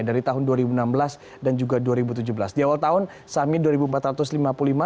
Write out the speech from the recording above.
di awal tahun sahamnya dua ribu empat ratus lima puluh lima